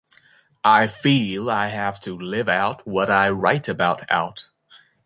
I feel I have to live out what I write about out.